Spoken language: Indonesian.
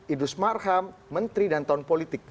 idrus marham menteri dan tahun politik